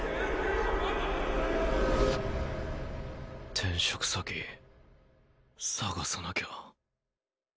転職先探さなきゃ。